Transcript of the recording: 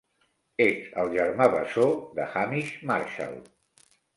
És el germà bessó de Hamish Marshall.